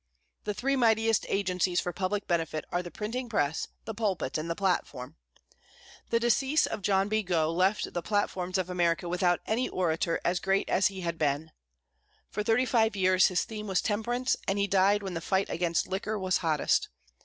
The three mightiest agencies for public benefit are the printing press, the pulpit, and the platform. The decease of John B. Gough left the platforms of America without any orator as great as he had been. For thirty five years his theme was temperance, and he died when the fight against liquor was hottest.